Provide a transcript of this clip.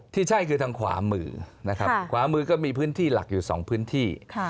ที่ใช่คือทางขวามือนะครับขวามือก็มีพื้นที่หลักอยู่๒พื้นที่